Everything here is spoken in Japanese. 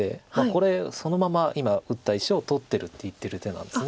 「これそのまま今打った石を取ってる」って言ってる手なんです。